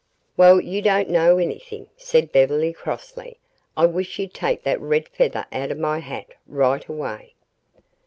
"Well, you don't know everything," said Beverly crossly. "I wish you'd take that red feather out of my hat right away."